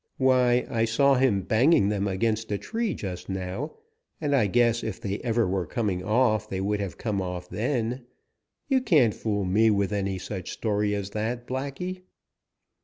Why, I saw him banging them against a tree just now, and I guess if they ever were coming off they would have come off then. You can't fool me with any such story as that, Blacky!"